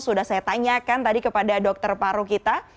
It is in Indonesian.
sudah saya tanyakan tadi kepada dokter paru kita